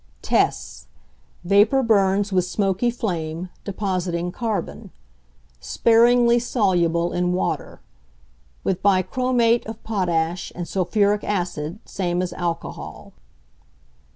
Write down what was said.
Tests. Vapour burns with smoky flame, depositing carbon. Sparingly soluble in water. With bichromate of potash and sulphuric acid same as alcohol.